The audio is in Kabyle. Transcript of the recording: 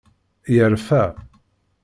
Yerfa.